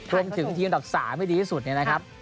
รวมถึงทีมอันดับ๓ให้ดีที่สุดเนี่ยนะครับ